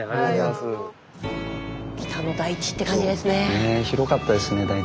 ねえ広かったですね